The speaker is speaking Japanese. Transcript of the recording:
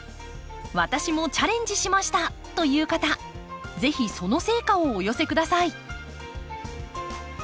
「私もチャレンジしました」という方是非その成果をお寄せ下さい。